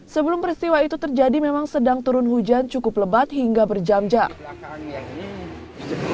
sebelum peristiwa itu terjadi memang sedang turun hujan cukup lebat hingga berjam jam